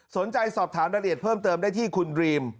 สอบถามรายละเอียดเพิ่มเติมได้ที่คุณดรีม